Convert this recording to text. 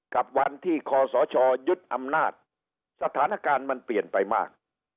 กับวันที่คอสชยึดอำนาจสถานการณ์มันเปลี่ยนไปมาก